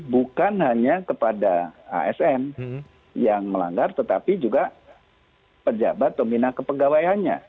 bukan hanya kepada asn yang melanggar tetapi juga pejabat pembina kepegawaiannya